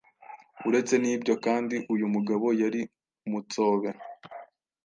Uretse n’ibyo kandi uyu mugabo yari umutsobe